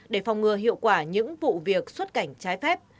để phòng ngừa hiệu quả những vụ việc xuất cảnh trái phép